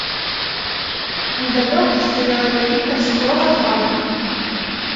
Недалёка стаяла вялікая цукровая фабрыка.